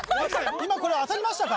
今これ当たりましたか？